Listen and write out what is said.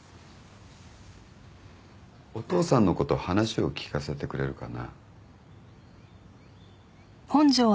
お父さんのこと話を聞かせてくれるかな。